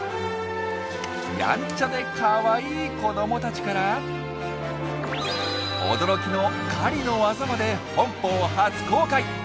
やんちゃでかわいい子どもたちから驚きの狩りの技まで本邦初公開！